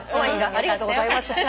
ありがとうございます。